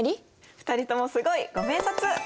２人ともすごい！ご明察！